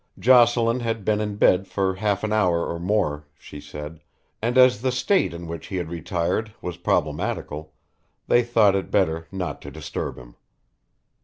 Jocelyn had been in bed for half an hour or more, she said, and as the state in which he had retired was problematical they thought it better not to disturb him.